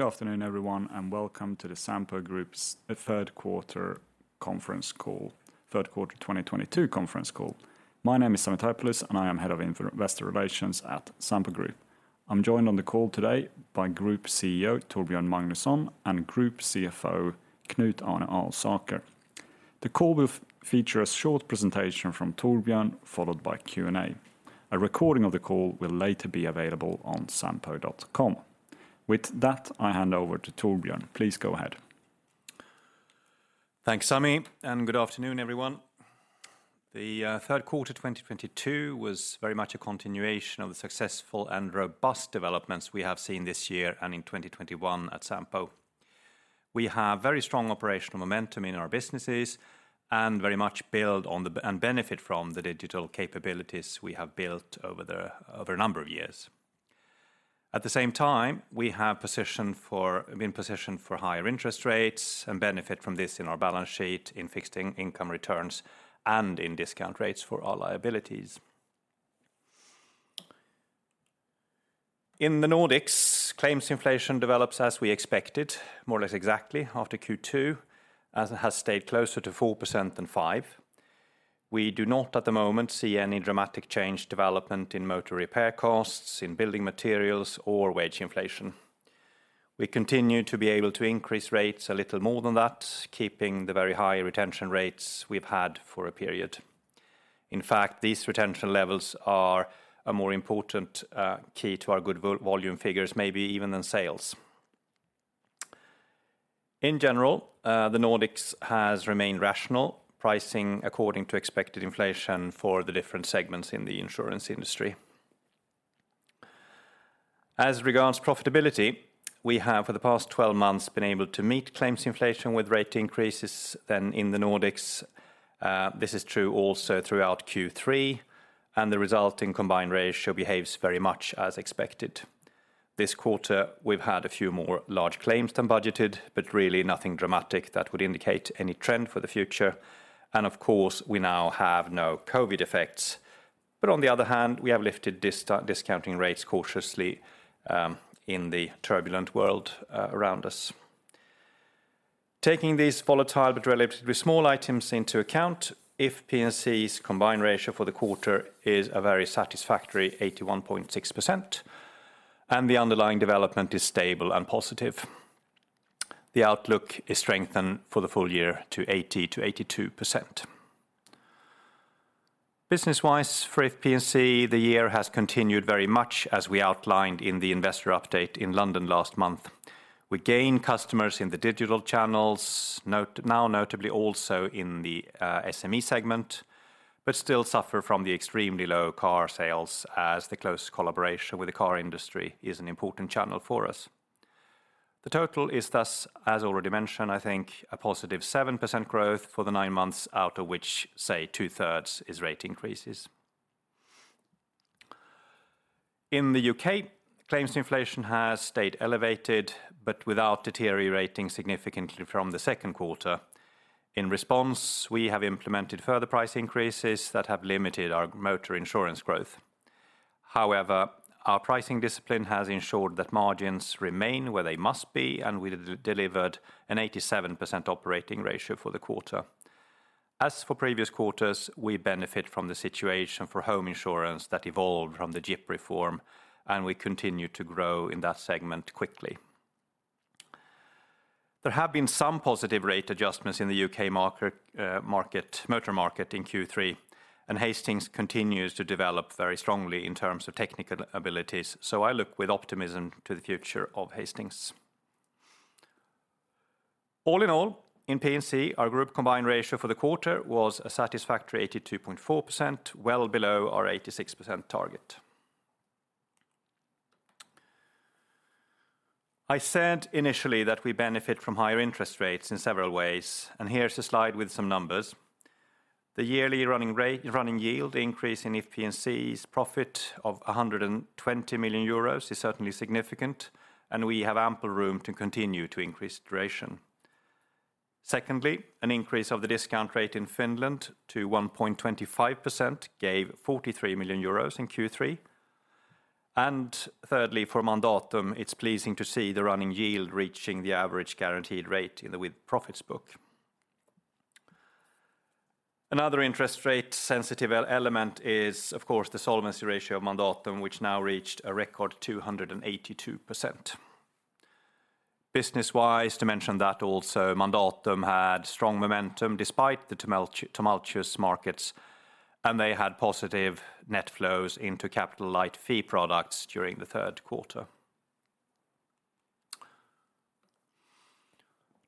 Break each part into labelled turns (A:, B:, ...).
A: Good afternoon, everyone, and welcome to the Sampo Group's third quarter conference call, third quarter 2022 conference call. My name is Sami Taipalus and I am head of Investor Relations at Sampo Group. I'm joined on the call today by Group CEO, Torbjörn Magnusson, and Group CFO, Knut-Arne Alsaker. The call will feature a short presentation from Torbjörn, followed by Q&A. A recording of the call will later be available on sampo.com. With that, I hand over to Torbjörn. Please go ahead.
B: Thanks, Sami, and good afternoon, everyone. The third quarter 2022 was very much a continuation of the successful and robust developments we have seen this year and in 2021 at Sampo. We have very strong operational momentum in our businesses and very much benefit from the digital capabilities we have built over a number of years. At the same time, we have been positioned for higher interest rates and benefit from this in our balance sheet in fixed income returns and in discount rates for our liabilities. In the Nordics, claims inflation develops as we expected, more or less exactly after Q2, as it has stayed closer to 4% than 5%. We do not at the moment see any dramatic change or development in motor repair costs, in building materials or wage inflation. We continue to be able to increase rates a little more than that, keeping the very high retention rates we've had for a period. In fact, these retention levels are a more important key to our good volume figures, maybe even than sales. In general, the Nordics has remained rational, pricing according to expected inflation for the different segments in the insurance industry. As regards profitability, we have for the past 12 months been able to meet claims inflation with rate increases than in the Nordics. This is true also throughout Q3, and the resulting combined ratio behaves very much as expected. This quarter, we've had a few more large claims than budgeted, but really nothing dramatic that would indicate any trend for the future. Of course, we now have no COVID effects. On the other hand, we have lifted discounting rates cautiously in the turbulent world around us. Taking these volatile but relatively small items into account, If P&C's combined ratio for the quarter is a very satisfactory 81.6%, and the underlying development is stable and positive. The outlook is strengthened for the full-year to 80%-82%. Business-wise, for If P&C, the year has continued very much as we outlined in the investor update in London last month. We gain customers in the digital channels, notably also in the SME segment, but still suffer from the extremely low car sales as the close collaboration with the car industry is an important channel for us. The total is thus, as already mentioned, I think, a positive 7% growth for the nine months out of which, say, two-thirds is rate increases. In the U.K., claims inflation has stayed elevated but without deteriorating significantly from the second quarter. In response, we have implemented further price increases that have limited our motor insurance growth. However, our pricing discipline has ensured that margins remain where they must be, and we delivered an 87% operating ratio for the quarter. As for previous quarters, we benefit from the situation for home insurance that evolved from the GIPP reform, and we continue to grow in that segment quickly. There have been some positive rate adjustments in the U.K. motor market in Q3, and Hastings continues to develop very strongly in terms of technical abilities, so I look with optimism to the future of Hastings. All in all, in P&C, our group combined ratio for the quarter was a satisfactory 82.4%, well below our 86% target. I said initially that we benefit from higher interest rates in several ways, and here's a slide with some numbers. The yearly running rate, running yield increase in If P&C's profit of 120 million euros is certainly significant, and we have ample room to continue to increase duration. Secondly, an increase of the discount rate in Finland to 1.25% gave 43 million euros in Q3. Thirdly, for Mandatum, it's pleasing to see the running yield reaching the average guaranteed rate in the with-profits book. Another interest rate sensitive element is, of course, the solvency ratio of Mandatum, which now reached a record 282%. Business-wise, to mention that also Mandatum had strong momentum despite the tumultuous markets, and they had positive net flows into capital-light fee products during the third quarter.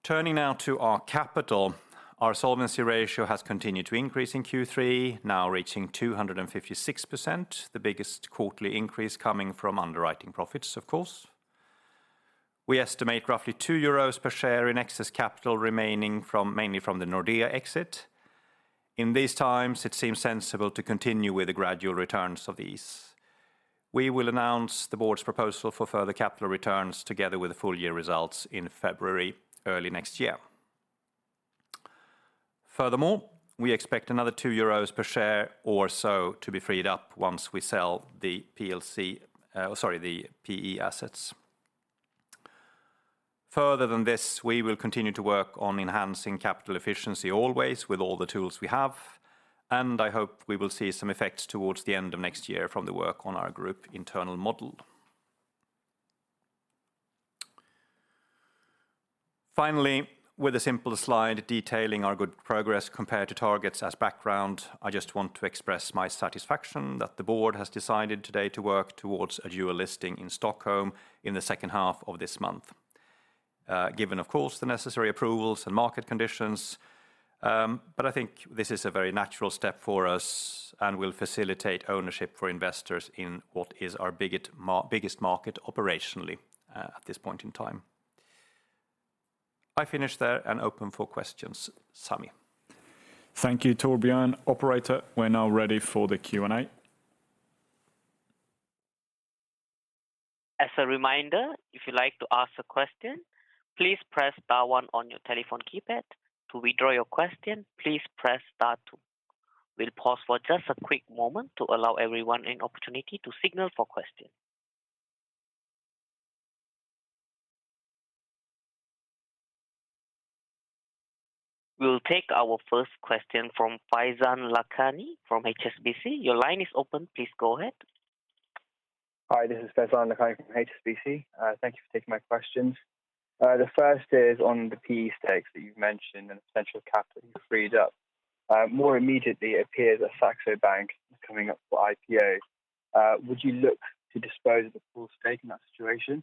B: Turning now to our capital, our solvency ratio has continued to increase in Q3, now reaching 256%, the biggest quarterly increase coming from underwriting profits, of course. We estimate roughly 2 euros per share in excess capital remaining, mainly from the Nordea exit. In these times, it seems sensible to continue with the gradual returns of these. We will announce the board's proposal for further capital returns together with the full year results in February early next year. Furthermore, we expect another 2 euros per share or so to be freed up once we sell the PE assets. Further than this, we will continue to work on enhancing capital efficiency always with all the tools we have, and I hope we will see some effects towards the end of next year from the work on our group internal model. Finally, with a simple slide detailing our good progress compared to targets as background, I just want to express my satisfaction that the board has decided today to work towards a dual listing in Stockholm in the second half of this month. Given of course the necessary approvals and market conditions, but I think this is a very natural step for us and will facilitate ownership for investors in what is our biggest market operationally, at this point in time. I finish there and open for questions. Sami.
A: Thank you, Torbjörn. Operator, we're now ready for the Q&A.
C: As a reminder, if you'd like to ask a question, please press star one on your telephone keypad. To withdraw your question, please press star two. We'll pause for just a quick moment to allow everyone an opportunity to signal for questions. We'll take our first question from Faizan Lakhani from HSBC. Your line is open. Please go ahead.
D: Hi, this is Faizan Lakhani from HSBC. Thank you for taking my questions. The first is on the PE stakes that you've mentioned and potential capital you've freed up. More immediately, it appears that Saxo Bank is coming up for IPO. Would you look to dispose of the full stake in that situation?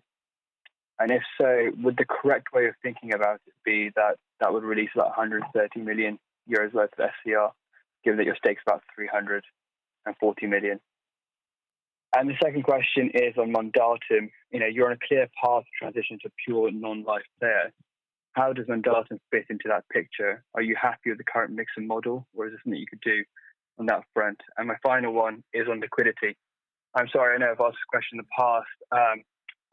D: And if so, would the correct way of thinking about it be that that would release about 130 million euros worth of SCR, given that your stake's about 340 million? And the second question is on Mandatum. You know, you're on a clear path to transition to pure non-life there. How does Mandatum fit into that picture? Are you happy with the current mix and model, or is there something you could do on that front? And my final one is on liquidity. I'm sorry, I know I've asked this question in the past.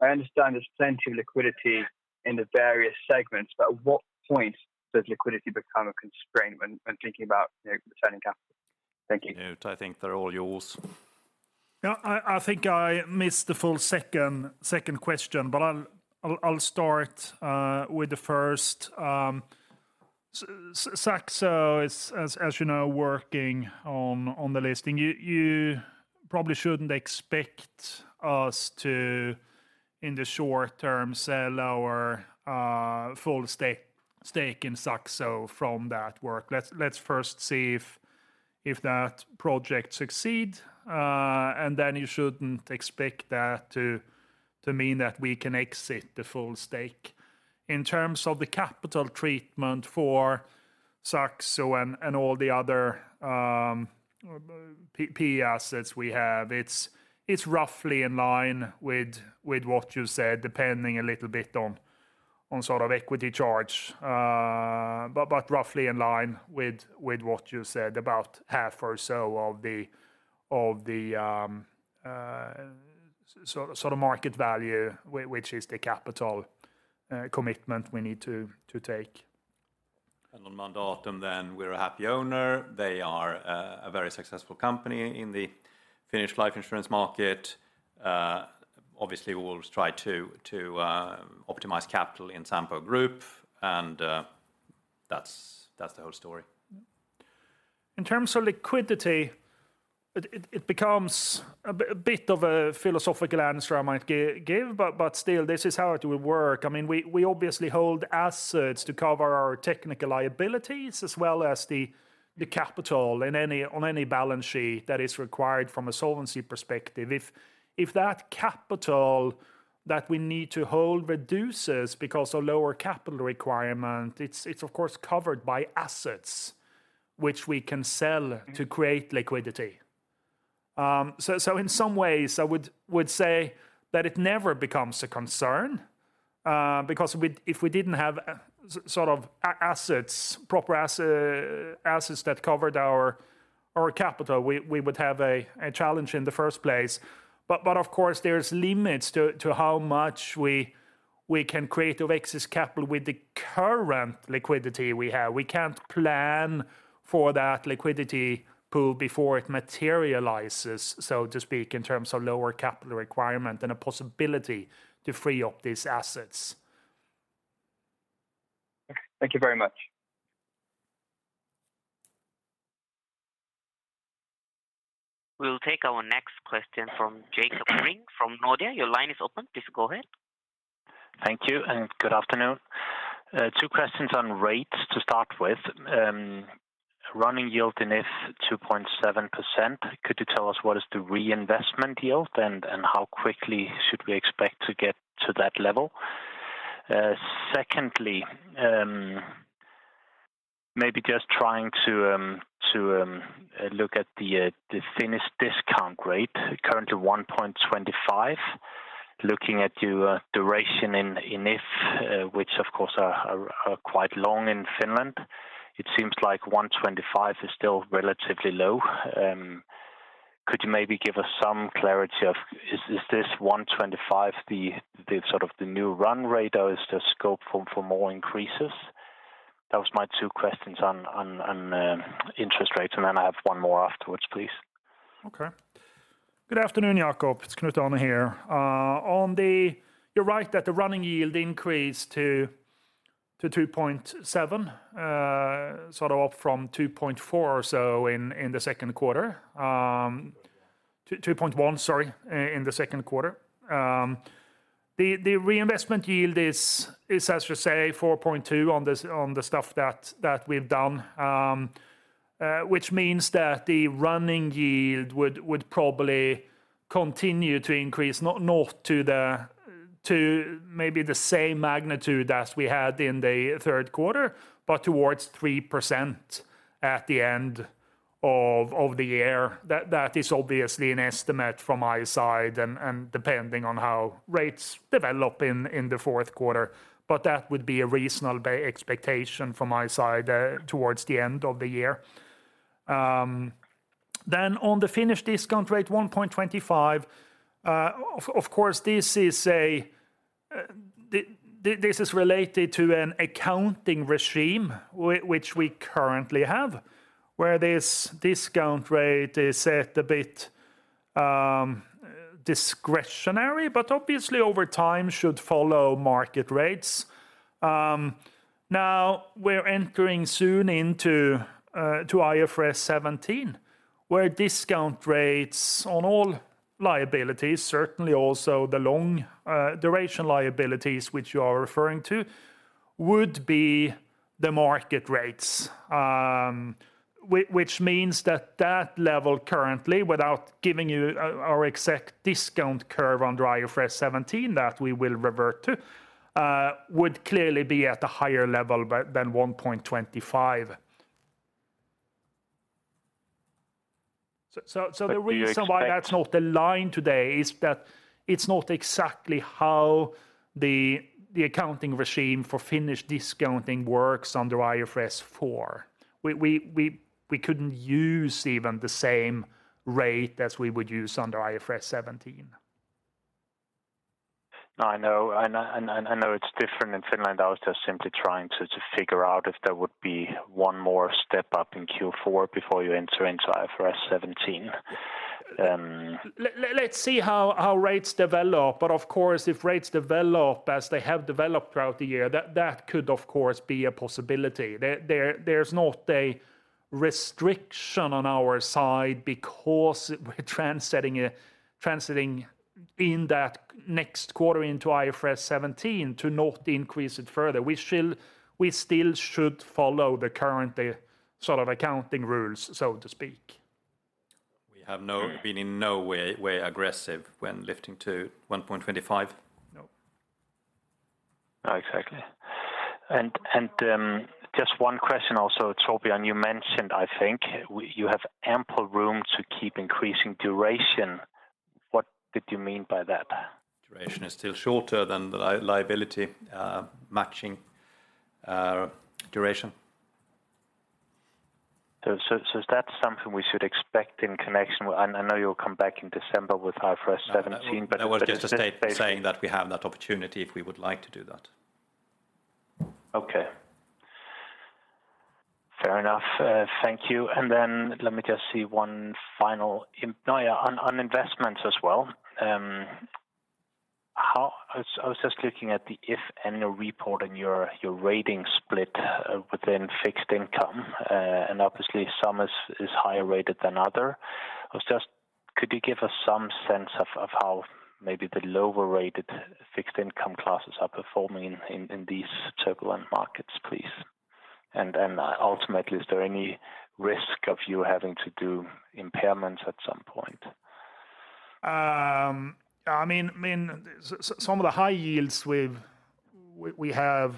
D: I understand there's plenty of liquidity in the various segments, but at what point does liquidity become a constraint when thinking about, you know, returning capital? Thank you.
B: Knut, I think they're all yours.
E: Yeah. I think I missed the full second question, but I'll start with the first. Saxo is as you know working on the listing. You probably shouldn't expect us to in the short term sell our full stake in Saxo from that work. Let's first see if that project succeed and then you shouldn't expect that to mean that we can exit the full stake. In terms of the capital treatment for Saxo and all the other PE assets we have, it's roughly in line with what you said, depending a little bit on sort of equity charge. Roughly in line with what you said about half or so of the sort of market value which is the capital commitment we need to take.
B: On Mandatum then, we're a happy owner. They are a very successful company in the Finnish life insurance market. Obviously we will try to optimize capital in Sampo Group and that's the whole story.
E: In terms of liquidity, it becomes a bit of a philosophical answer I might give, but still, this is how it will work. I mean, we obviously hold assets to cover our technical liabilities as well as the capital on any balance sheet that is required from a solvency perspective. If that capital that we need to hold reduces because of lower capital requirement, it's of course covered by assets which we can sell to create liquidity. In some ways, I would say that it never becomes a concern, because if we didn't have sort of assets, proper assets that covered our capital, we would have a challenge in the first place. Of course, there's limits to how much we can create of excess capital with the current liquidity we have. We can't plan for that liquidity pool before it materializes, so to speak, in terms of lower capital requirement and a possibility to free up these assets.
D: Thank you very much.
C: We'll take our next question from Jakob Brink from Nordea. Your line is open. Please go ahead.
F: Thank you and good afternoon. Two questions on rates to start with. Running yield in If 2.7%, could you tell us what is the reinvestment yield and how quickly should we expect to get to that level? Secondly, maybe just trying to look at the Finnish discount rate, currently 1.25. Looking at your duration in If, which of course are quite long in Finland, it seems like 1.25 is still relatively low. Could you maybe give us some clarity on is this 1.25% the sort of the new run rate or is there scope for more increases? That was my two questions on interest rates, and then I have one more afterwards, please.
E: Okay. Good afternoon, Jakob. It's Knut-Arne here. On the. You're right that the running yield increased to 2.7%, sort of up from 2.4% or so in the second quarter. 2.1%, sorry, in the second quarter. The reinvestment yield is as you say 4.2 on the stuff that we've done, which means that the running yield would probably continue to increase not to the same magnitude as we had in the third quarter, but towards 3% at the end of the year. That is obviously an estimate from my side and depending on how rates develop in the fourth quarter. That would be a reasonable expectation from my side towards the end of the year. On the Finnish discount rate 1.25, of course, this is related to an accounting regime which we currently have, where this discount rate is set a bit discretionary, but obviously over time should follow market rates. Now we're entering soon into IFRS 17, where discount rates on all liabilities, certainly also the long duration liabilities which you are referring to, would be the market rates. Which means that that level currently, without giving you our exact discount curve on the IFRS 17 that we will revert to, would clearly be at a higher level than 1.25%. The reason why that's not the level today is that it's not exactly how the accounting regime for financial discounting works under IFRS 4. We couldn't use even the same rate as we would use under IFRS 17.
F: No, I know. I know it's different in Finland. I was just simply trying to figure out if there would be one more step up in Q4 before you enter into IFRS 17.
E: Let's see how rates develop. Of course, if rates develop as they have developed throughout the year, that could of course be a possibility. There's not a restriction on our side because we're transitioning in that next quarter into IFRS 17 to not increase it further. We should follow the current sort of accounting rules, so to speak.
B: We have been in no way aggressive when lifting to 1.25? No.
F: Oh, exactly. Just one question also, Torbjörn, you mentioned, I think you have ample room to keep increasing duration. What did you mean by that?
B: Duration is still shorter than the liability matching duration.
F: Is that something we should expect in connection with. I know you'll come back in December with IFRS 17, but is this basically.
B: No, I was just saying that we have that opportunity if we would like to do that.
F: Okay. Fair enough. Thank you. Let me just see one final thing. Oh, yeah, on investments as well. I was just looking at the If in your report and your rating split within fixed income, and obviously some is higher rated than others. Could you give us some sense of how maybe the lower rated fixed income classes are performing in these turbulent markets, please? Ultimately, is there any risk of you having to do impairments at some point?
E: I mean, some of the high yields we have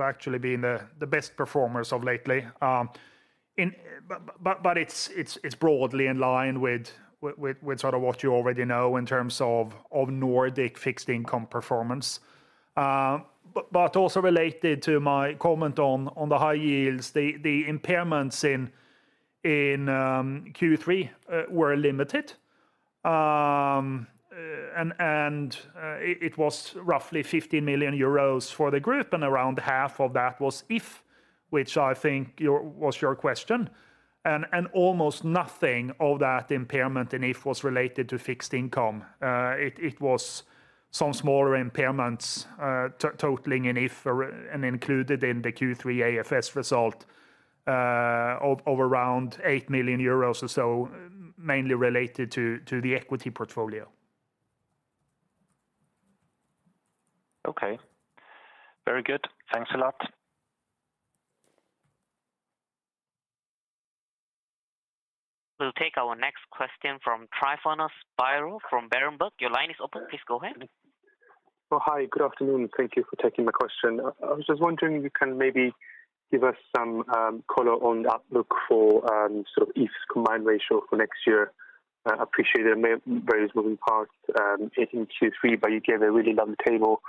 E: actually been the best performers lately. But it's broadly in line with sort of what you already know in terms of Nordic fixed income performance. But also related to my comment on the high yields, the impairments in Q3 were limited. It was roughly 50 million euros for the group, and around half of that was If, which I think was your question. Almost nothing of that impairment in If was related to fixed income. It was some smaller impairments, totaling in If and included in the Q3 AFS result, of around 8 million euros or so, mainly related to the equity portfolio.
F: Okay. Very good. Thanks a lot.
C: We'll take our next question from Tryfonas Spyrou from Berenberg. Your line is open. Please go ahead.
G: Oh, hi. Good afternoon. Thank you for taking the question. I was just wondering if you can maybe give us some color on the outlook for sort of If P&C's combined ratio for next year. Appreciate there are various moving parts hitting Q3, but you gave a really long table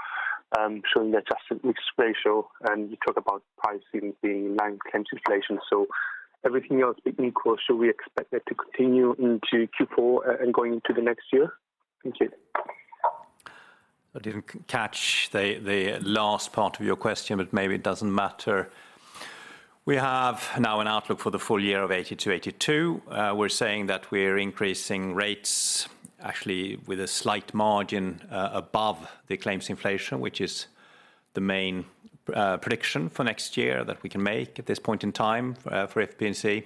G: showing the adjusted combined ratio, and you talk about pricing being 9% claims inflation. Everything else being equal, should we expect that to continue into Q4 and going into the next year? Thank you.
B: I didn't catch the last part of your question, but maybe it doesn't matter. We have now an outlook for the full year of 80%-82%. We're saying that we're increasing rates actually with a slight margin above the claims inflation, which is the main prediction for next year that we can make at this point in time for P&C.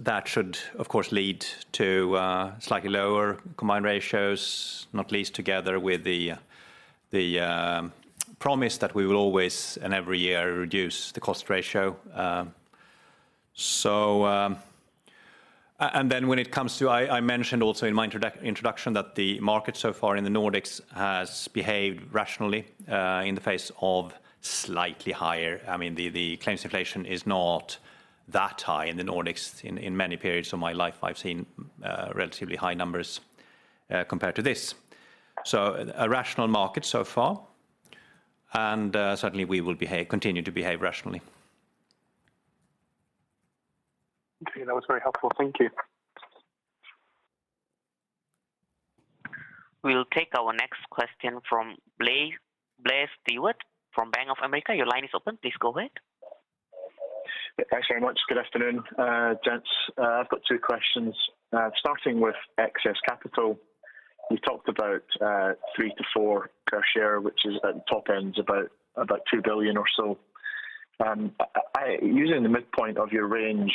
B: That should, of course, lead to slightly lower combined ratios, not least together with the promise that we will always, in every year, reduce the cost ratio. I mentioned also in my introduction that the market so far in the Nordics has behaved rationally in the face of slightly higher. I mean, the claims inflation is not that high in the Nordics. In many periods of my life, I've seen relatively high numbers compared to this. A rational market so far, and certainly we will continue to behave rationally.
G: Okay. That was very helpful. Thank you.
C: We'll take our next question from Blair Stewart from Bank of America. Your line is open. Please go ahead.
H: Thanks very much. Good afternoon, gents. I've got two questions, starting with excess capital. You talked about 3-4 per share, which is at the top end, about 2 billion or so. Using the midpoint of your range,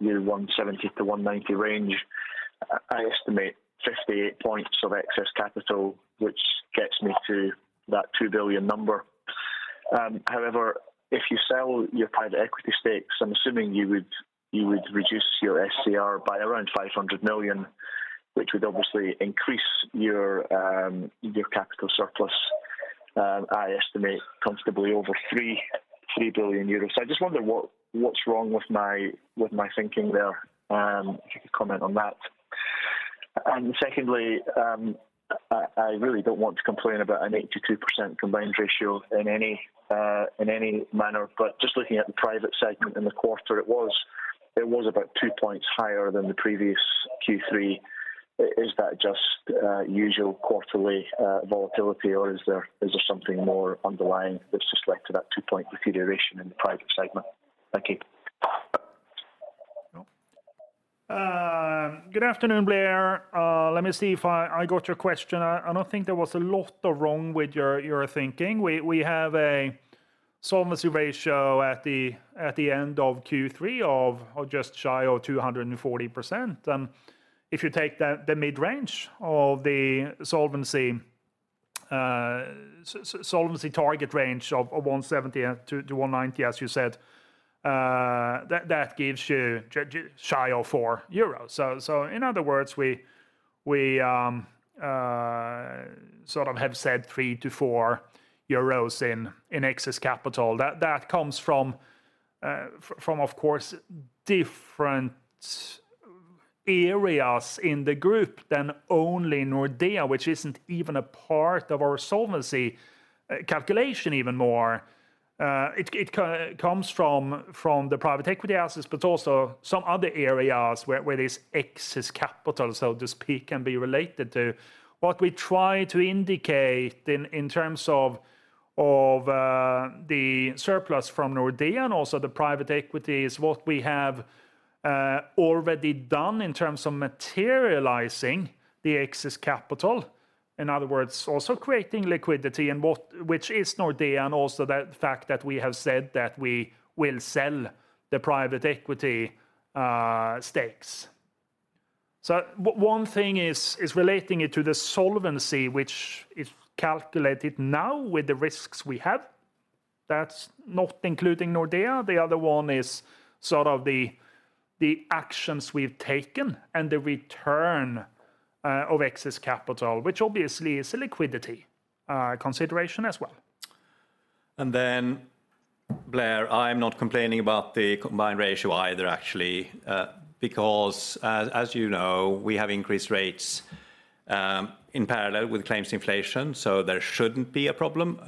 H: your 170-190 range, I estimate 58 points of excess capital, which gets me to that 2 billion number. However, if you sell your private equity stakes, I'm assuming you would reduce your SCR by around 500 million, which would obviously increase your capital surplus. I estimate comfortably over 3 billion euros. I just wonder what's wrong with my thinking there. If you could comment on that. Secondly, I really don't want to complain about an 82% combined ratio in any manner, but just looking at the private segment in the quarter, it was about two points higher than the previous Q3. Is that just usual quarterly volatility, or is there something more underlying that's just led to that two-point deterioration in the private segment? Thank you.
E: Good afternoon, Blair. Let me see if I got your question. I don't think there was a lot of wrong with your thinking. We have a solvency ratio at the end of Q3 of just shy of 240%. If you take the mid-range of the solvency target range of 170-190, as you said, that gives you just shy of 4 euros. In other words, we sort of have 3-4 euros in excess capital. That comes from, of course, different areas in the group than only Nordea, which isn't even a part of our solvency calculation even more. It comes from the private equity assets, but also some other areas where there's excess capital, so to speak, can be related to. What we try to indicate in terms of the surplus from Nordea and also the private equity is what we have already done in terms of materializing the excess capital. In other words, also creating liquidity and what, which is Nordea, and also the fact that we have said that we will sell the private equity stakes. One thing is relating it to the solvency, which is calculated now with the risks we have. That's not including Nordea. The other one is sort of the actions we've taken and the return of excess capital, which obviously is a liquidity consideration as well.
B: Blair, I'm not complaining about the combined ratio either actually, because as you know, we have increased rates in parallel with claims inflation. There shouldn't be a problem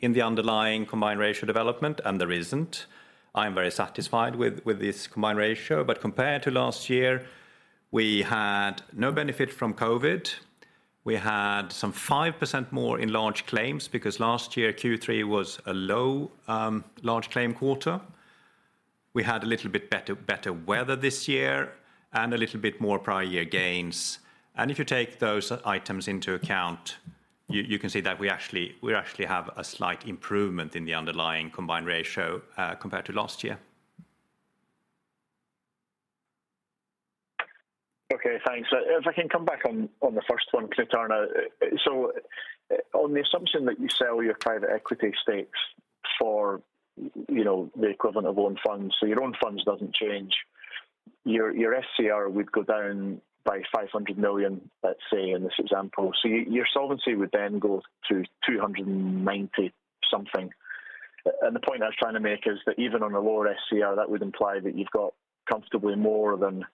B: in the underlying combined ratio development, and there isn't. I'm very satisfied with this combined ratio. Compared to last year, we had no benefit from COVID. We had some 5% more in large claims because last year, Q3 was a low large claim quarter. We had a little bit better weather this year and a little bit more prior year gains. If you take those items into account, you can see that we actually have a slight improvement in the underlying combined ratio compared to last year.
H: Okay, thanks. If I can come back on the first one, Knut-Arne. On the assumption that you sell your private equity stakes for, you know, the equivalent of own funds, so your own funds doesn't change, your SCR would go down by 500 million, let's say, in this example. Your solvency would then go to 290-something. The point I was trying to make is that even on a lower SCR, that would imply that you've got comfortably more than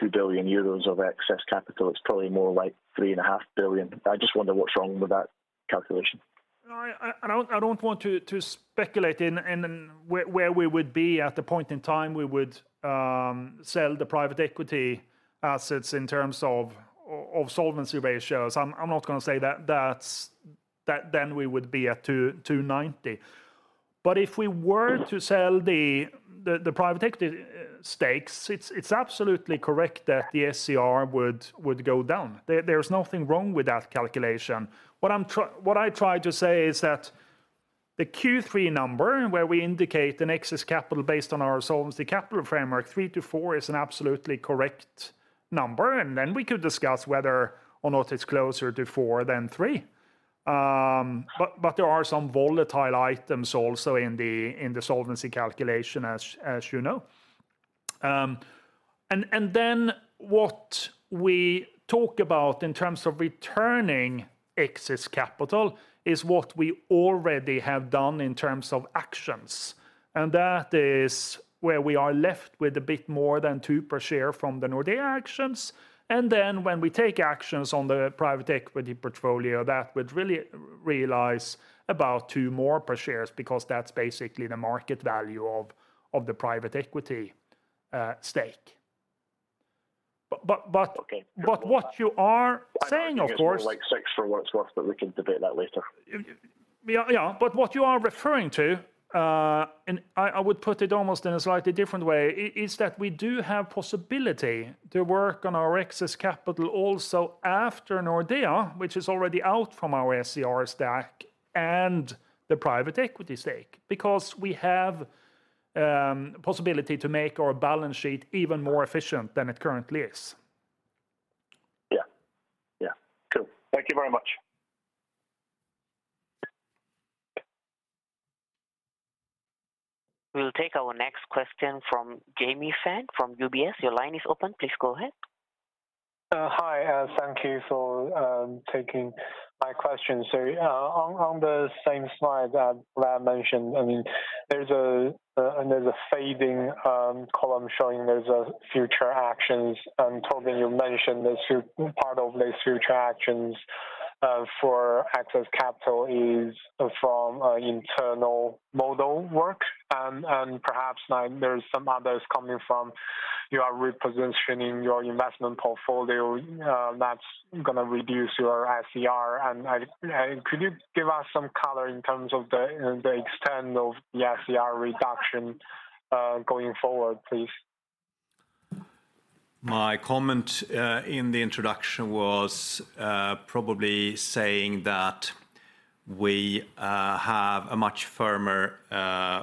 H: 2 billion euros of excess capital, it's probably more like 3.5 billion. I just wonder what's wrong with that calculation.
E: No, I don't want to speculate in where we would be at the point in time we would sell the private equity assets in terms of solvency ratios. I'm not gonna say that then we would be at 290. If we were to sell the private equity stakes, it's absolutely correct that the SCR would go down. There's nothing wrong with that calculation. What I tried to say is that the Q3 number, where we indicate an excess capital based on our solvency capital framework, three to four is an absolutely correct number, and then we could discuss whether or not it's closer to four than three. There are some volatile items also in the solvency calculation as you know. What we talk about in terms of returning excess capital is what we already have done in terms of actions. That is where we are left with a bit more than 2 per share from the Nordea actions, and then when we take actions on the private equity portfolio, that would really realize about 2 more per shares because that's basically the market value of the private equity stake.
H: Okay.
E: What you are saying, of course.
H: I think it's more like six for what it's worth, but we can debate that later.
E: Yeah, yeah. What you are referring to, and I would put it almost in a slightly different way, is that we do have possibility to work on our excess capital also after Nordea, which is already out from our SCR stack and the private equity stake. Because we have possibility to make our balance sheet even more efficient than it currently is.
H: Yeah. Yeah. Cool. Thank you very much.
C: We'll take our next question from Yu Fan from UBS. Your line is open, please go ahead.
I: Hi. Thank you for taking my question, sir. On the same slide that Blair Stewart mentioned, I mean, there's a fading column showing there's future actions. Torbjörn, you mentioned part of these future actions for excess capital is from internal model work and perhaps now there's some others coming from your repositioning your investment portfolio that's gonna reduce your SCR. Could you give us some color in terms of the extent of the SCR reduction going forward, please?
B: My comment in the introduction was probably saying that we have a much firmer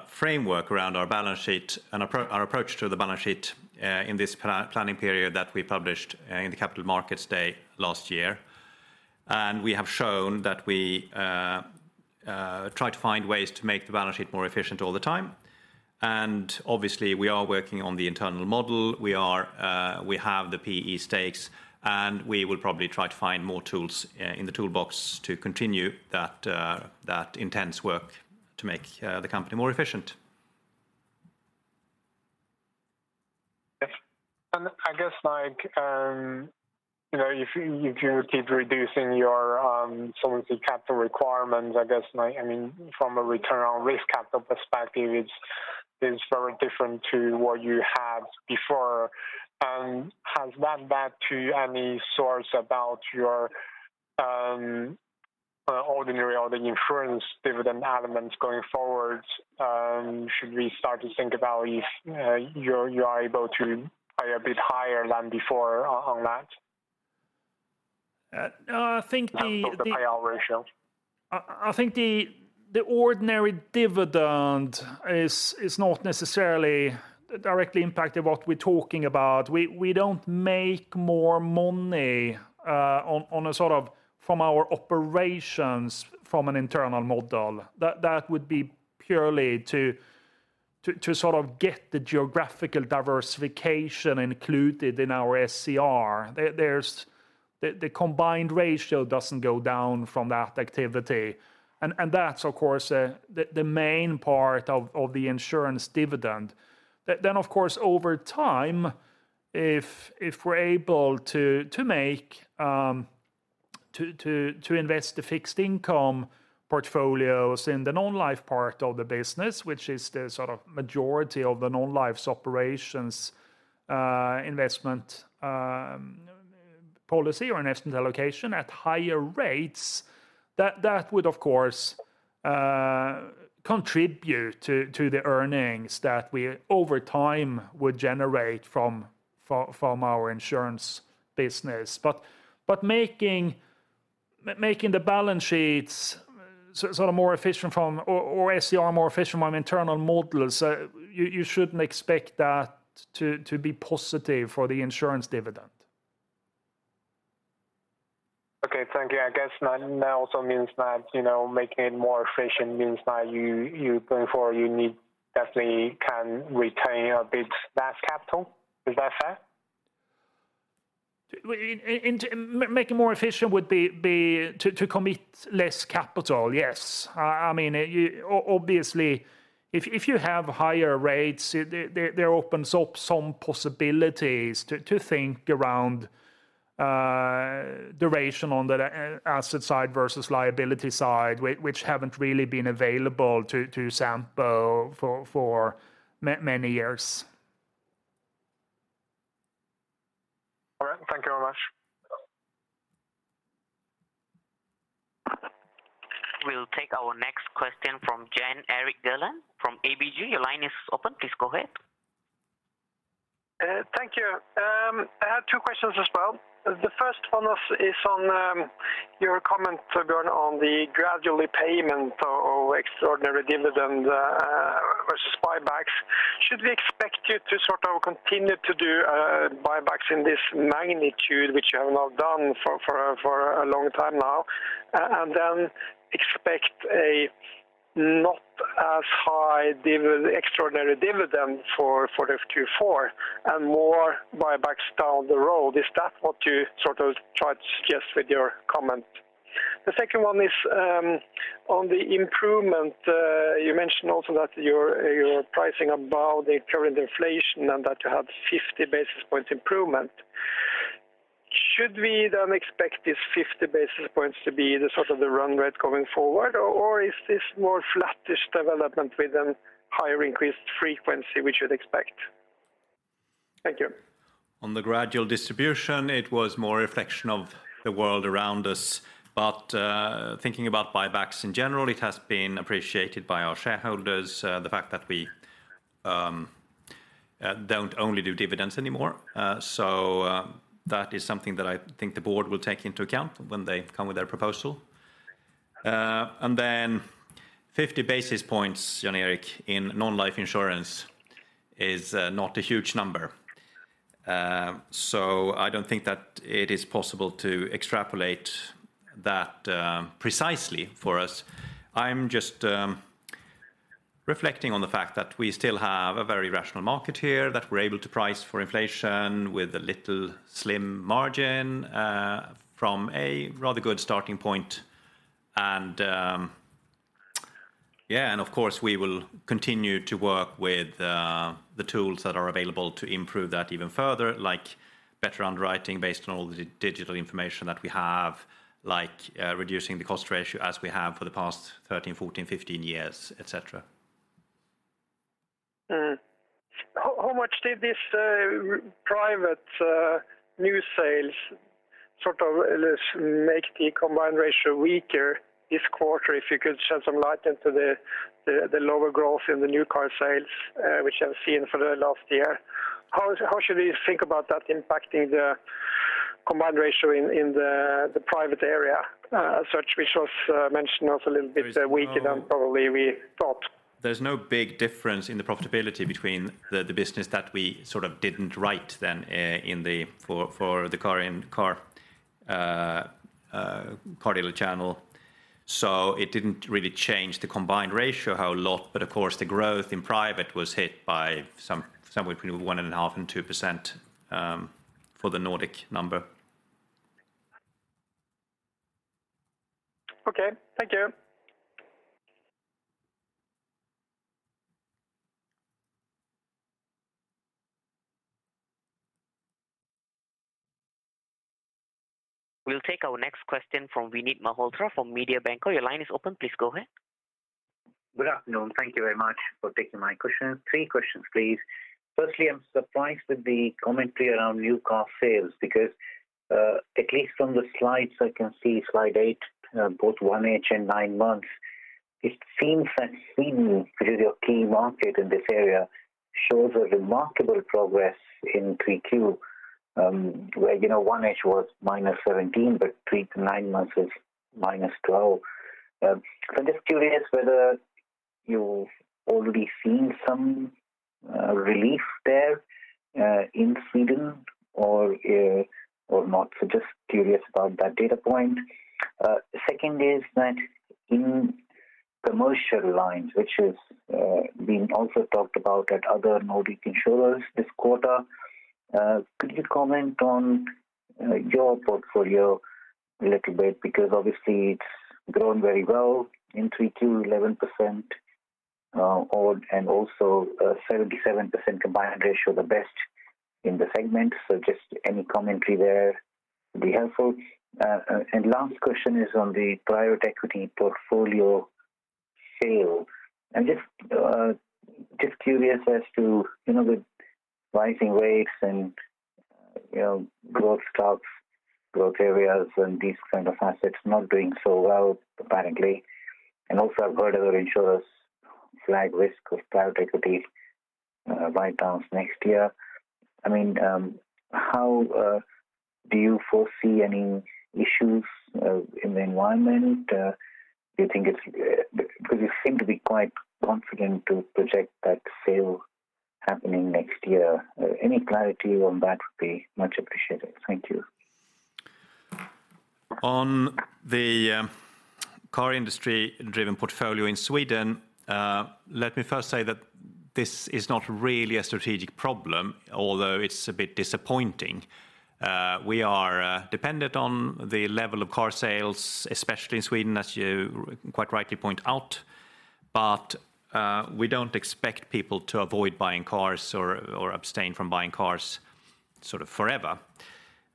B: framework around our balance sheet and our approach to the balance sheet in this planning period that we published in the capital markets day last year. We have shown that we try to find ways to make the balance sheet more efficient all the time. Obviously, we are working on the internal model. We have the PE stakes, and we will probably try to find more tools in the toolbox to continue that intense work to make the company more efficient.
I: Yes. I guess like, you know, if you keep reducing your solvency capital requirements, I guess like, I mean, from a return on risk capital perspective, it's very different to what you had before. Has that led to any sort about your ordinary or the insurance dividend elements going forward, should we start to think about if you are able to pay a bit higher than before on that?
E: I think.
I: In terms of the payout ratio.
E: I think the ordinary dividend is not necessarily directly impacted what we're talking about. We don't make more money on a sort of from our operations from an internal model. That would be purely to sort of get the geographical diversification included in our SCR. The combined ratio doesn't go down from that activity and that's of course the main part of the insurance dividend. Of course, over time, if we're able to invest the fixed income portfolios in the non-life part of the business, which is the sort of majority of the non-life's operations, investment policy or investment allocation at higher rates, that would of course contribute to the earnings that we over time would generate from our insurance business. Making the balance sheets sort of more efficient or SCR more efficient from internal models, you shouldn't expect that to be positive for the insurance dividend.
I: Okay, thank you. I guess that also means that, you know, making it more efficient means that going forward you definitely can retain a bit less capital. Is that fair?
E: One way to make it more efficient would be to commit less capital. Yes. I mean, obviously if you have higher rates, they open up some possibilities to think about the ratio on the asset side versus liability side, which haven't really been available to Sampo for many years.
J: All right, thank you very much.
C: We'll take our next question from Jan Erik Gjerland from ABG. Your line is open. Please go ahead.
J: Thank you. I have two questions as well. The first one is on your comment, Torbjörn, on the gradual payment of extraordinary dividend versus buybacks. Should we expect you to sort of continue to do buybacks in this magnitude, which you have not done for a long time now, and then expect a not as high extraordinary dividend for the Q4 and more buybacks down the road? Is that what you sort of tried to suggest with your comment? The second one is on the improvement you mentioned also that your pricing above the current inflation and that you have 50 basis points improvement. Should we then expect this 50 basis points to be the sort of the run rate going forward, or is this more flattish development with a higher increased frequency we should expect? Thank you.
B: On the gradual distribution, it was more a reflection of the world around us. Thinking about buybacks in general, it has been appreciated by our shareholders, the fact that we don't only do dividends anymore. That is something that I think the board will take into account when they come with their proposal. 50 basis points, Jan Erik, in non-life insurance is not a huge number. I don't think that it is possible to extrapolate that precisely for us. I'm just reflecting on the fact that we still have a very rational market here, that we're able to price for inflation with a little slim margin, from a rather good starting point. Of course, we will continue to work with the tools that are available to improve that even further, like better underwriting based on all the digital information that we have, like, reducing the cost ratio as we have for the past 13, 14, 15 years, et cetera.
J: How much did this private new sales sort of less make the combined ratio weaker this quarter? If you could shed some light into the lower growth in the new car sales, which I've seen for the last year. How should we think about that impacting the combined ratio in the private area, such which was mentioned also a little bit weaker than probably we thought.
B: There's no big difference in the profitability between the business that we sort of didn't write then in the car dealer channel. It didn't really change the combined ratio a whole lot. Of course, the growth in private was hit by somewhere between 1.5%-2% for the Nordic number.
J: Okay. Thank you.
C: We'll take our next question from Vinit Malhotra from Mediobanca. Your line is open. Please go ahead.
K: Good afternoon. Thank you very much for taking my question. Three questions, please. Firstly, I'm surprised with the commentary around new car sales because, at least from the slides, I can see slide eight, both 1H and nine months, it seems that Sweden, which is your key market in this area, shows a remarkable progress in 3Q, where, you know, 1H was -17%, but three-nine months is -12%. So I'm just curious whether you've already seen some relief there in Sweden or not. So just curious about that data point. Second is that in commercial lines, which is being also talked about at other Nordic insurers this quarter, could you comment on your portfolio a little bit? Because obviously it's grown very well in 3Q, 11%, and also a 77% combined ratio, the best in the segment. Just any commentary there would be helpful. Last question is on the private equity portfolio sale. I'm just curious as to, you know, with rising rates and, you know, growth stocks, growth areas and these kind of assets not doing so well, apparently. Also European regulators flag risk of private equity write-downs next year. I mean, how do you foresee any issues in the environment? Do you think it's because you seem to be quite confident to project that sale happening next year. Any clarity on that would be much appreciated. Thank you.
B: On the car industry driven portfolio in Sweden, let me first say that this is not really a strategic problem, although it's a bit disappointing. We are dependent on the level of car sales, especially in Sweden, as you quite rightly point out. We don't expect people to avoid buying cars or abstain from buying cars sort of forever.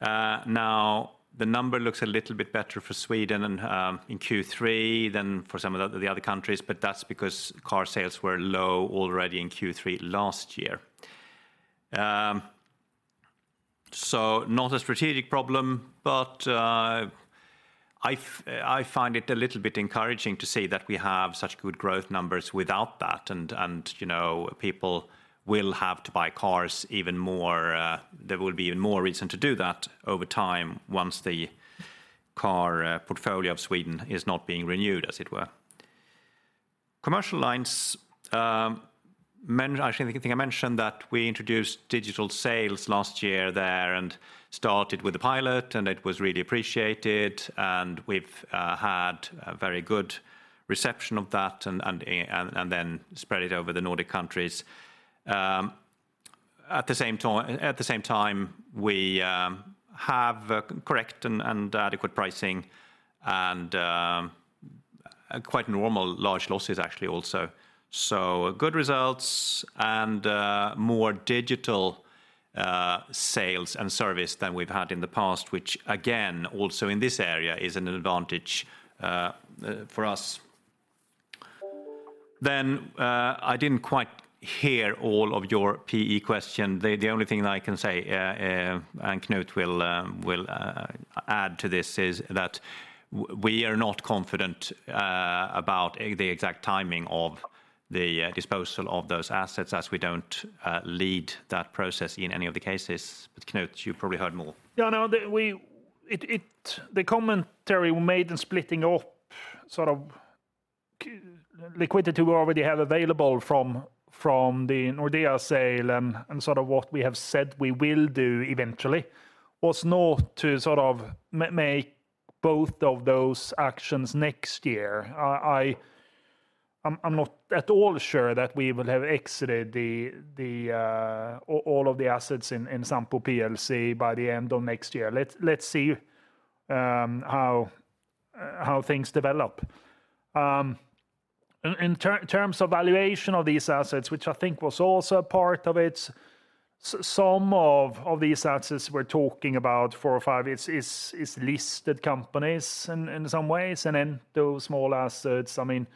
B: Now, the number looks a little bit better for Sweden and in Q3 than for some of the other countries, but that's because car sales were low already in Q3 last year. Not a strategic problem. I find it a little bit encouraging to see that we have such good growth numbers without that and, you know, people will have to buy cars even more. There will be even more reason to do that over time once the car portfolio of Sweden is not being renewed as it were. Commercial lines, I think I mentioned that we introduced digital sales last year there and started with the pilot, and it was really appreciated, and we've had a very good reception of that and then spread it over the Nordic countries. At the same time, we have correct and adequate pricing and quite normal large losses actually also. So good results and more digital sales and service than we've had in the past, which again, also in this area is an advantage for us. Then, I didn't quite hear all of your PE question. The only thing that I can say, and Knut will add to this is that we are not confident about the exact timing of the disposal of those assets as we don't lead that process in any of the cases. Knut, you probably heard more.
E: Yeah, no. The commentary we made in splitting up sort of liquidity we already have available from the Nordea sale and sort of what we have said we will do eventually was not to sort of make both of those actions next year. I'm not at all sure that we will have exited all of the assets in Sampo plc by the end of next year. Let's see how things develop. In terms of valuation of these assets, which I think was also a part of it, some of these assets we're talking about four or five listed companies in some ways, and then those small assets, I mean,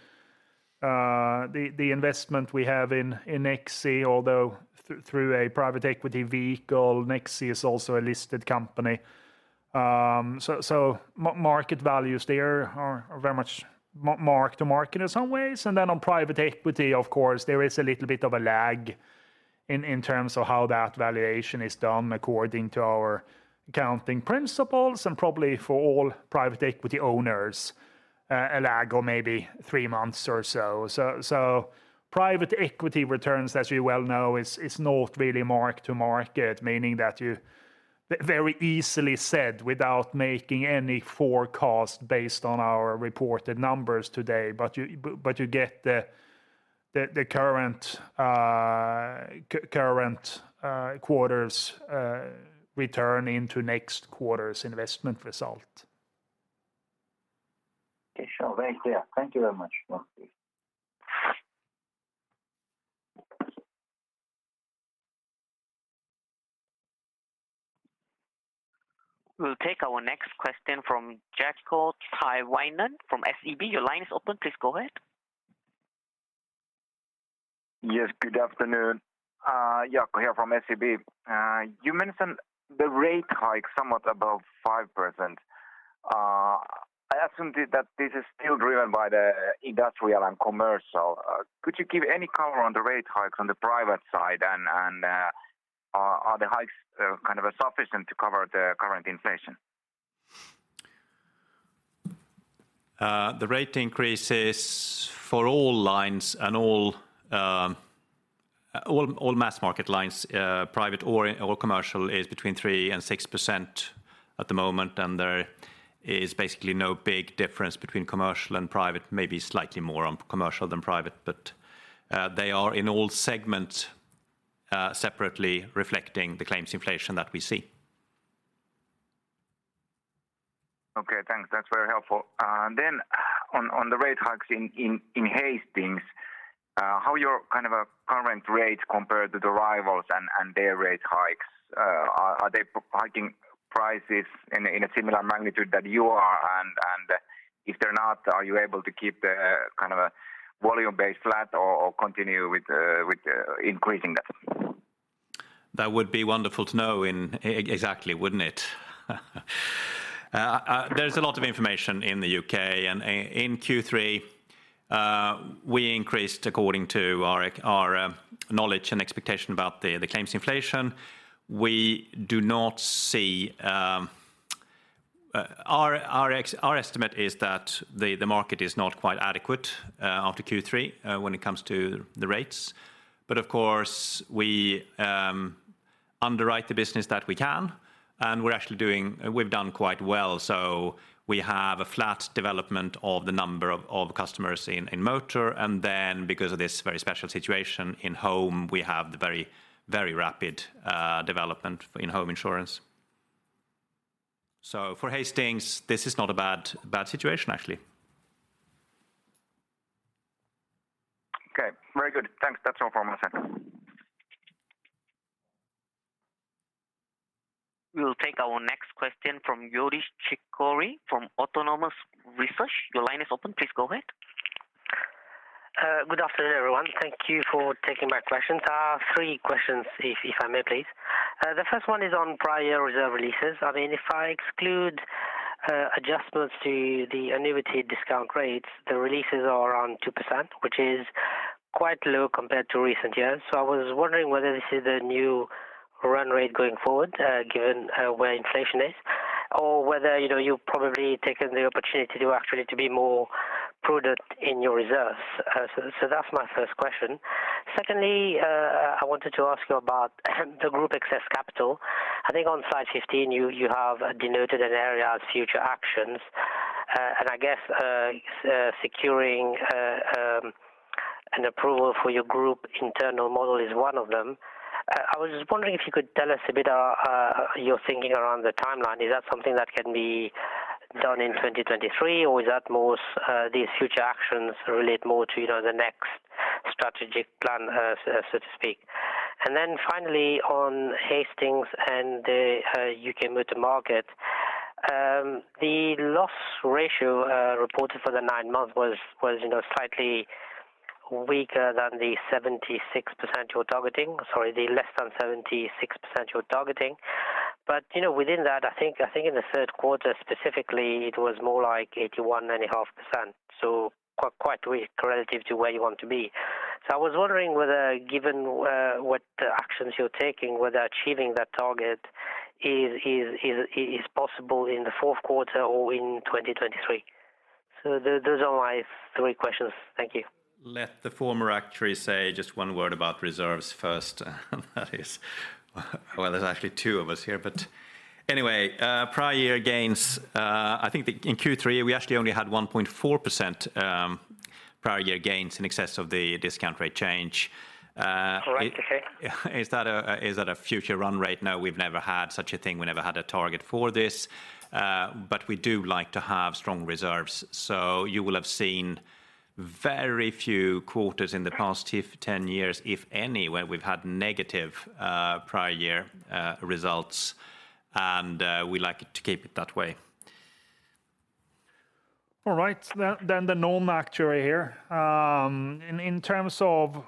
E: the investment we have in Nexi although through a private equity vehicle, Nexi is also a listed company. So market values there are very much market to market in some ways. Then on private equity, of course, there is a little bit of a lag in terms of how that valuation is done according to our accounting principles and probably for all private equity owners, a lag or maybe three months or so. Private equity returns, as you well know, is not really mark to market, meaning that you very easily said without making any forecast based on our reported numbers today. You get the current quarter's return into next quarter's investment result.
K: Okay, sure. Very clear. Thank you very much.
E: Okay.
C: We'll take our next question from Jaakko Tyynelä from SEB. Your line is open. Please go ahead.
L: Yes, good afternoon. Jaakko Tyynelä here from SEB. You mentioned the rate hike somewhat above 5%. I assumed that this is still driven by the industrial and commercial. Could you give any color on the rate hikes on the private side and are the hikes kind of sufficient to cover the current inflation?
B: The rate increases for all lines and all mass market lines, private or commercial, is between 3% and 6% at the moment, and there is basically no big difference between commercial and private. Maybe slightly more on commercial than private. They are in all segments, separately reflecting the claims inflation that we see.
L: Okay, thanks. That's very helpful. On the rate hikes in Hastings, how your kind of current rate compare to the rivals and their rate hikes? Are they hiking prices in a similar magnitude that you are? If they're not, are you able to keep the kind of volume base flat or continue with increasing that?
B: That would be wonderful to know in exactly, wouldn't it? There's a lot of information in the U.K. In Q3, we increased according to our knowledge and expectation about the claims inflation. We do not see. Our estimate is that the market is not quite adequate after Q3 when it comes to the rates. Of course we underwrite the business that we can, and we're actually doing. We've done quite well. We have a flat development of the number of customers in motor. Then because of this very special situation in home, we have the very rapid development in home insurance. For Hastings, this is not a bad situation, actually.
L: Okay. Very good. Thanks. That's all from my side.
C: We'll take our next question from Youdish Chicooree from Autonomous Research. Your line is open. Please go ahead.
M: Good afternoon, everyone. Thank you for taking my questions. Three questions if I may, please. The first one is on prior year reserve releases. I mean, if I exclude adjustments to the annuity discount rates, the releases are around 2%, which is quite low compared to recent years. I was wondering whether this is a new run rate going forward, given where inflation is or whether, you know, you've probably taken the opportunity to actually to be more prudent in your reserves. That's my first question. Secondly, I wanted to ask you about the group excess capital. I think on slide 15, you have denoted an area of future actions. I guess securing an approval for your group internal model is one of them. I was just wondering if you could tell us a bit, your thinking around the timeline. Is that something that can be done in 2023, or is that most these future actions relate more to, you know, the next strategic plan, so to speak. Finally on Hastings and the U.K. motor market, the loss ratio reported for the nine months was, you know, slightly weaker than the 76% you're targeting. Sorry, the less than 76% you're targeting. You know, within that, I think in the third quarter specifically, it was more like 81.5%, so quite weak relative to where you want to be. I was wondering whether, given what actions you're taking, whether achieving that target is possible in the fourth quarter or in 2023. Those are my three questions. Thank you.
B: Let the former actuary say just one word about reserves first. That is. Well, there's actually two of us here. Anyway, prior year gains, I think in Q3, we actually only had 1.4%, prior year gains in excess of the discount rate change.
M: Right. Okay.
B: Is that a future run rate? No, we've never had such a thing. We never had a target for this. But we do like to have strong reserves. You will have seen very few quarters in the past. 10 years, if any, where we've had negative prior year results, and we like it to keep it that way.
E: All right. The Nordea actuary here. In terms of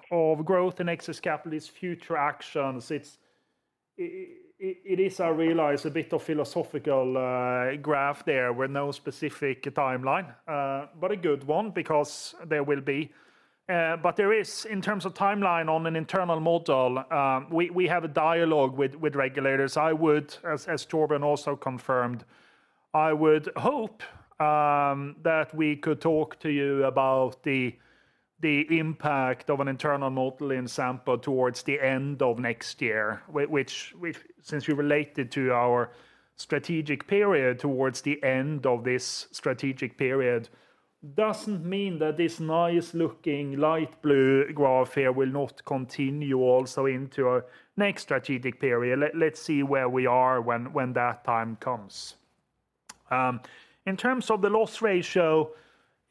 E: growth in excess capital and future actions. It is, I realize, a bit of a philosophical graph there with no specific timeline, but a good one because there will be. There is, in terms of timeline on an internal model, we have a dialogue with regulators. I would, as Torbjörn also confirmed, I would hope that we could talk to you about the impact of an internal model in Sampo towards the end of next year, since we relate to our strategic period, towards the end of this strategic period. It doesn't mean that this nice-looking light blue graph here will not continue also into our next strategic period. Let's see where we are when that time comes. In terms of the loss ratio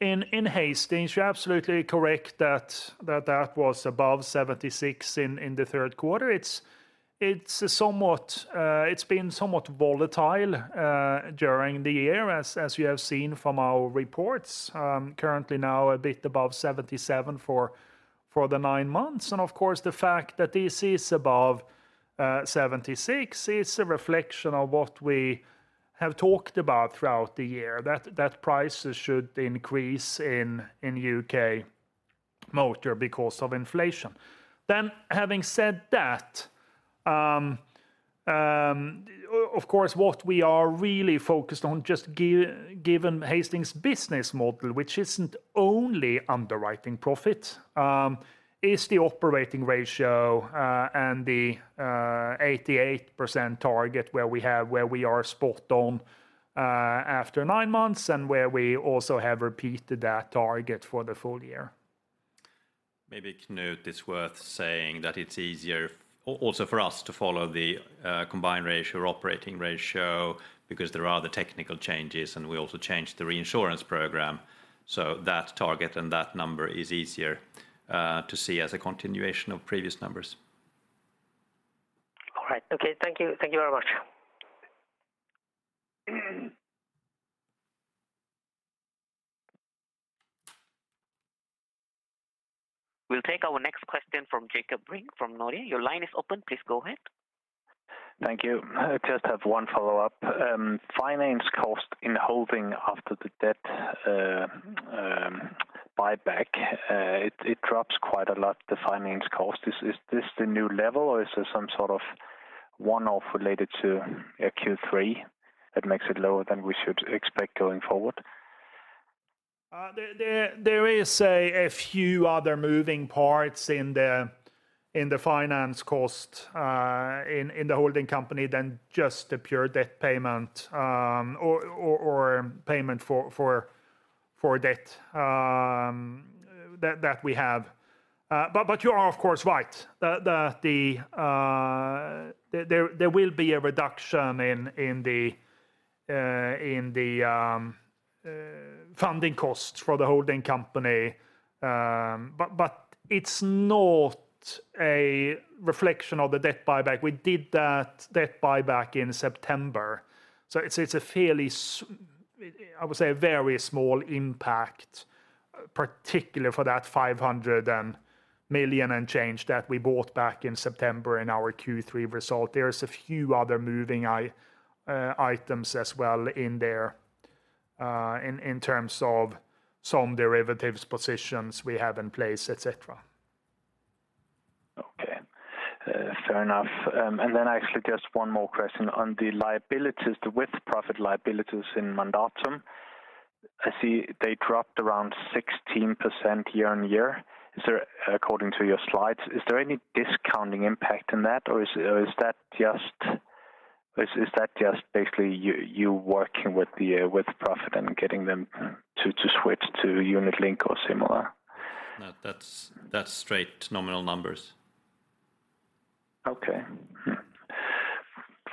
E: in Hastings, you're absolutely correct that that was above 76% in the third quarter. It's been somewhat volatile during the year, as you have seen from our reports, currently now a bit above 77% for the nine months. Of course, the fact that this is above 76% is a reflection of what we have talked about throughout the year, that prices should increase in U.K. motor because of inflation. Having said that, of course, what we are really focused on, just given Hastings business model, which isn't only underwriting profit, is the operating ratio, and the 88% target where we are spot on after nine months and where we also have repeated that target for the full year.
B: Maybe, Knut, it's worth saying that it's easier also for us to follow the combined ratio or operating ratio because there are the technical changes, and we also changed the reinsurance program. That target and that number is easier to see as a continuation of previous numbers.
M: All right. Okay. Thank you. Thank you very much.
C: We'll take our next question from Jakob Brink from Nordea. Your line is open. Please go ahead.
F: Thank you. I just have one follow-up. Finance cost in Hastings after the debt buyback, it drops quite a lot, the finance cost. Is this the new level or is there some sort of one-off related to Q3 that makes it lower than we should expect going forward?
E: There is a few other moving parts in the finance cost in the holding company than just the pure debt payment or payment for debt that we have. You are of course right. There will be a reduction in the funding costs for the holding company, but it's not a reflection of the debt buyback. We did that debt buyback in September. It's a fairly I would say a very small impact, particularly for that 500 million and change that we bought back in September in our Q3 result. There is a few other moving items as well in there, in terms of some derivatives positions we have in place, et cetera.
F: Okay. Fair enough. Actually just one more question on the liabilities, the with-profits liabilities in Mandatum. I see they dropped around 16% year-over-year. Is there according to your slides any discounting impact in that, or is that just basically you working with the with-profits and getting them to switch to unit-linked or similar?
B: No, that's straight nominal numbers.
F: Okay.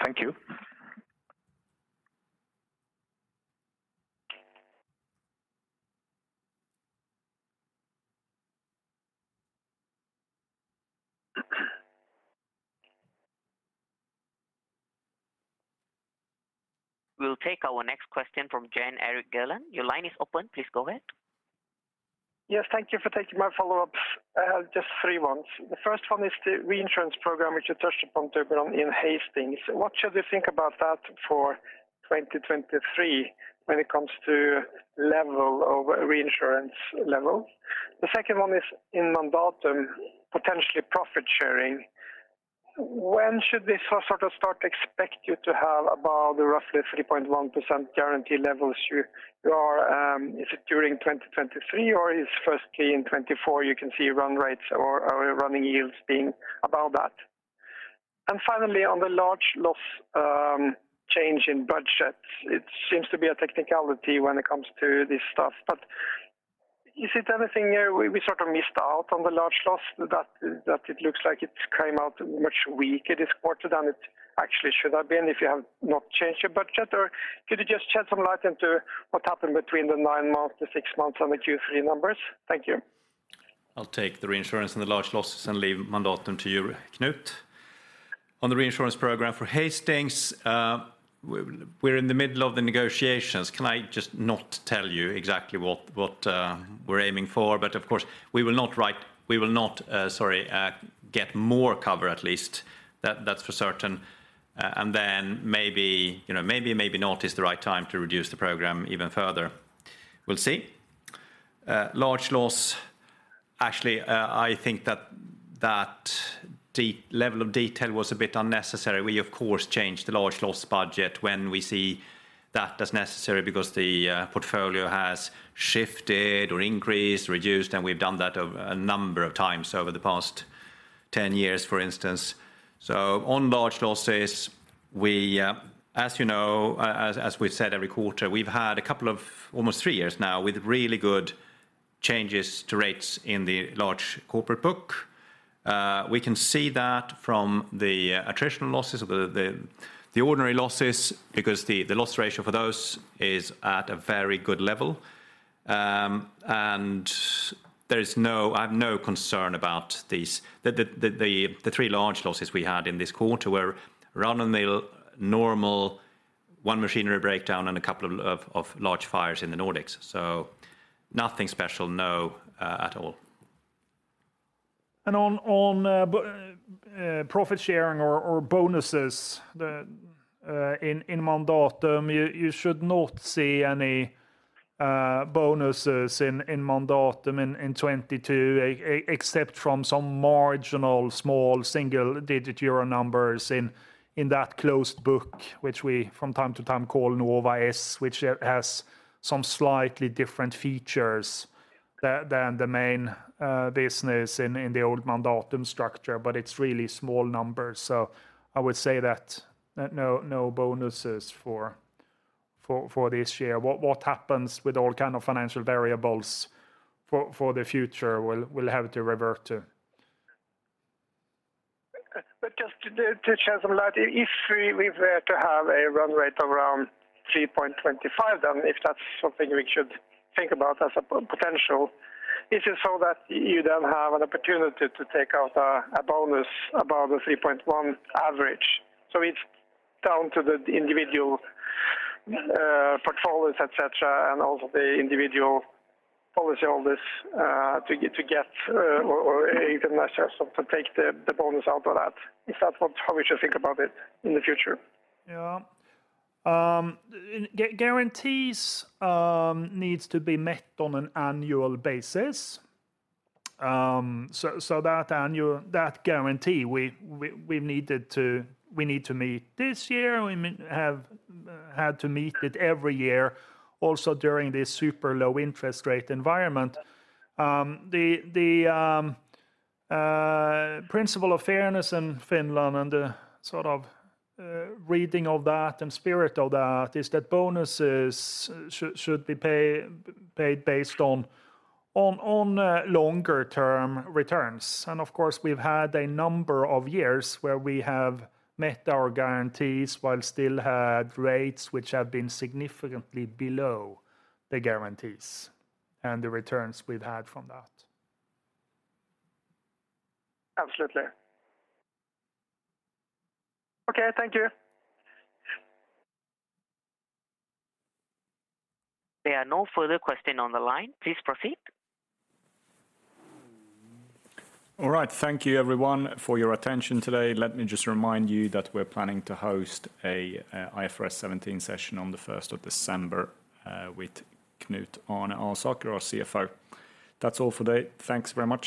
F: Thank you.
C: We'll take our next question from Jan Erik Gjerland. Your line is open, please go ahead.
J: Yes, thank you for taking my follow-ups. I have just three ones. The first one is the reinsurance program, which you touched upon, Torbjörn, in Hastings. What should we think about that for 2023 when it comes to level of reinsurance? The second one is in Mandatum, potentially profit sharing. When should they sort of start to expect you to have above the roughly 3.1% guarantee levels you are, is it during 2023, or is firstly in 2024 you can see run rates or running yields being above that? Finally, on the large loss change in budget, it seems to be a technicality when it comes to this stuff. Is it anything we sort of missed out on the large loss that it looks like it came out much weaker this quarter than it actually should have been if you have not changed your budget? Could you just shed some light into what happened between the nine months, the six months on the Q3 numbers? Thank you.
B: I'll take the reinsurance and the large losses and leave Mandatum to you, Knut. On the reinsurance program for Hastings, we're in the middle of the negotiations. Can I just not tell you exactly what we're aiming for? Of course, we will not get more cover at least. That's for certain. Then maybe not is the right time to reduce the program even further. We'll see. Large loss, I think that level of detail was a bit unnecessary. We of course change the large loss budget when we see that as necessary because the portfolio has shifted or increased, reduced, and we've done that a number of times over the past 10 years, for instance. On large losses, we, as you know, as we've said every quarter, we've had a couple of almost three years now with really good changes to rates in the large corporate book. We can see that from the attritional losses, the ordinary losses, because the loss ratio for those is at a very good level. I have no concern about these. The three large losses we had in this quarter were run-of-the-mill, normal, one machinery breakdown and a couple of large fires in the Nordics. Nothing special, not at all.
E: On profit sharing or bonuses in Mandatum, you should not see any bonuses in Mandatum in 2022 except for some marginal small single-digit EUR numbers in that closed book, which we from time to time call Nova S, which has some slightly different features than the main business in the old Mandatum structure, but it's really small numbers. I would say that no bonuses for this year. What happens with all kind of financial variables for the future, we'll have to revert to.
J: Just to shed some light, if we were to have a run rate around 3.25, then if that's something we should think about as a potential, is it so that you then have an opportunity to take out a bonus above the 3.1 average? It's down to the individual portfolios, et cetera, and also the individual policyholders to get or even myself to take the bonus out of that? Is that how we should think about it in the future?
E: Yeah. Guarantees needs to be met on an annual basis. So that annual, that guarantee we need to meet this year, we have had to meet it every year also during this super low interest rate environment. The principle of fairness in Finland and the sort of reading of that and spirit of that is that bonuses should be paid based on longer term returns. Of course, we've had a number of years where we have met our guarantees while still had rates which have been significantly below the guarantees and the returns we've had from that.
J: Absolutely. Okay, thank you.
C: There are no further questions on the line. Please proceed.
B: All right. Thank you everyone for your attention today. Let me just remind you that we're planning to host a IFRS 17 session on the 1st of December with Knut-Arne Alsaker, our CFO. That's all for today. Thanks very much.